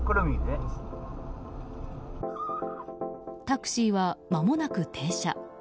タクシーはまもなく停車。